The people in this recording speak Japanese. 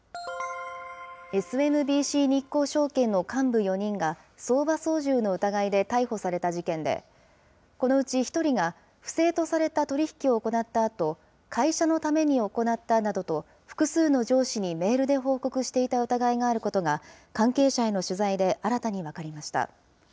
ＳＭＢＣ日興証券の幹部４人が、相場操縦の疑いで逮捕された事件で、このうち１人が不正とされた取り引きを行ったあと、会社のために行ったなどと複数の上司にメールで報告していた疑いがあることが、関係者への取材で新たに分かりました。